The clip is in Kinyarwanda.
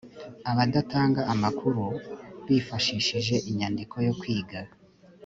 abatanga amakuru bifashishije inyandiko yo kwiga